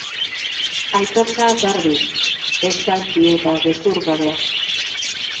Aitortza garbi, estalki eta gezur gabea.